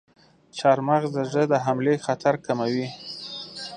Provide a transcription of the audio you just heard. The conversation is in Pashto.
چارمغز د زړه د حملې خطر کموي.